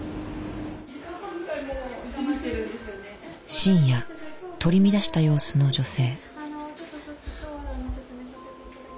深夜取り乱した様子の女性。